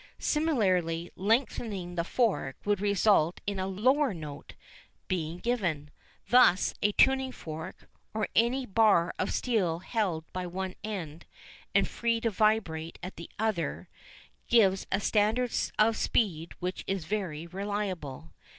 Similarly, lengthening the fork would result in a lower note being given. Thus, a tuning fork, or any bar of steel held by one end, and free to vibrate at the other, gives us a standard of speed which is very reliable.